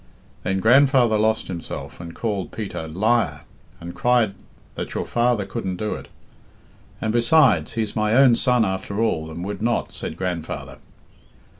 Then grandfather lost himself, and called Peter 'Liar,' and cried that your father couldn't do it. 'And, besides, he's my own son after all, and would not,' said grandfather.